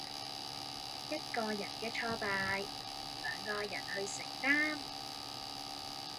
一個人嘅挫敗，兩個人去承擔